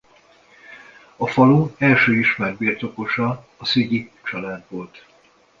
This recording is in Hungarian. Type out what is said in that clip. A falu első ismert birtokosa a Szügyi család volt.